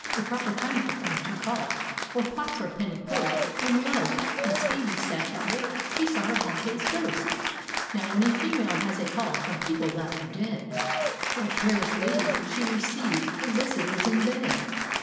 A proper time for friends to call, Or pots, or penny post; When lol as Phoebe sat at wort, She saw her Pompey's ghost I Now when a female has a call From people that arc dead, Like Paris ladies, she receives Her visitors in bed.